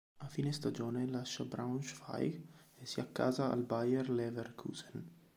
A fine stagione lascia Braunschweig e si accasa al Bayer Leverkusen.